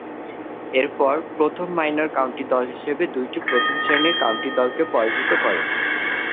এরপর, প্রথম minor county দল হিসেবে দুইটি প্রথম-শ্রেণীর কাউন্টি দলগুলোকে পরাজিত করে।